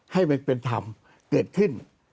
ให้เป็นธรรมเกิดขึ้น